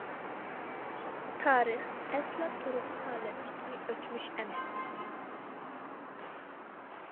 تارىخ ئەسلا تۇرغۇن ھالەتتىكى ئۆتمۈش ئەمەس.